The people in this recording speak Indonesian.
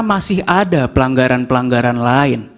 masih ada pelanggaran pelanggaran lain